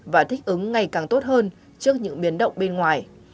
và thích ứng ngày càng tốt hơn trước những biến động bên ngoài